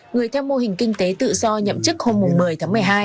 người theo mô hình kinh tế tự do nhậm chức hôm một mươi tháng một mươi hai